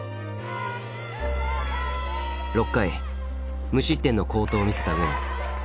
６回無失点の好投を見せた上野。